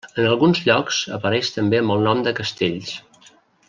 En alguns llocs apareix també amb el nom de Castells.